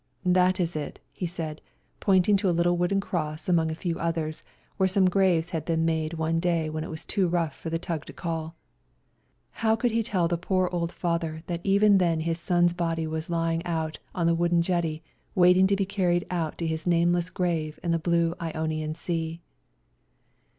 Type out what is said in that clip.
" That is it," he said, pointing to a little wooden cross among a few others, where some graves had been made one day when it was too rough for the tug to call. How could he tell the poor old father that even then his son's body was lying out on the wooden jetty waiting to be carried out to his nameless grave in the blue Ionian Sea